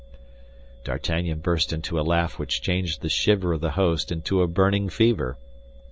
D'Artagnan burst into a laugh which changed the shiver of the host into a burning fever.